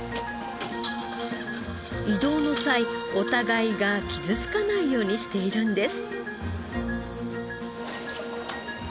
移動の際お互いが傷つかないようにしているんです。